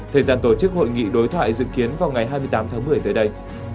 thời gian tổ chức hội nghị đối thoại dự kiến vào ngày hai mươi tám tháng một mươi tới đây